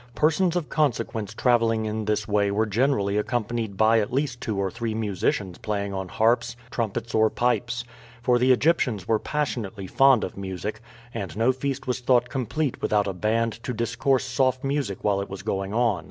Persons of consequence traveling in this way were generally accompanied by at least two or three musicians playing on harps, trumpets, or pipes; for the Egyptians were passionately fond of music, and no feast was thought complete without a band to discourse soft music while it was going on.